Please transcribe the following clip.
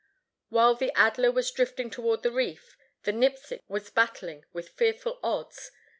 While the Adler was drifting toward the reef, the Nipsic was battling with fearful odds.